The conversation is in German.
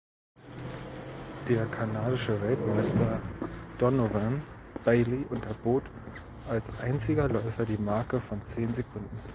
Der kanadische Weltmeister Donovan Bailey unterbot als einziger Läufer die Marke von zehn Sekunden.